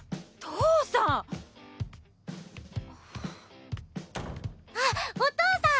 父さん⁉あっお父さん！